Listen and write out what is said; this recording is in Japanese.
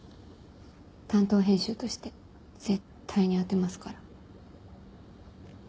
担当編集として絶対に当てますから。